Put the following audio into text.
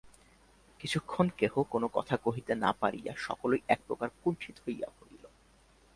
কিছুক্ষণ কেহ কোনো কথা কহিতে না পারিয়া সকলেই একপ্রকার কুণ্ঠিত হইয়া পড়িল।